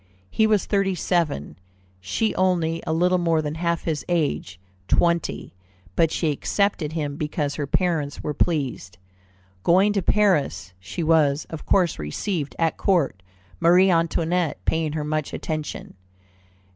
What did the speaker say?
He was thirty seven, she only a little more than half his age, twenty, but she accepted him because her parents were pleased. Going to Paris, she was, of course, received at Court, Marie Antoinette paying her much attention.